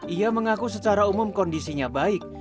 ia mengaku secara umum kondisinya baik